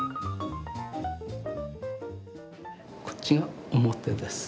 こっちが表です。